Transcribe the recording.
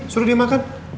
suruh dia makan